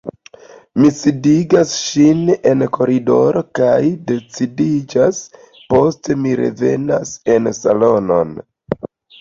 Mi sidigas ŝin en koridoro kaj decidiĝas, poste mi revenas en salonon.